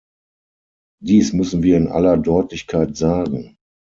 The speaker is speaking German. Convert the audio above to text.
Dies müssen wir in aller Deutlichkeit sagen.